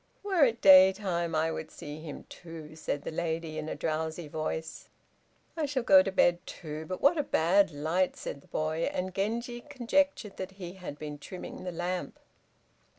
"Were it daytime I would see him, too," said the lady in a drowsy voice. "I shall go to bed, too! But what a bad light," said the boy, and Genji conjectured that he had been trimming the lamp.